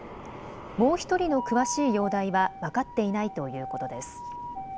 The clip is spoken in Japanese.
もう１人の詳しい容体は分かっていないということです。